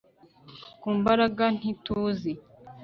Ku mbaraga ntituzi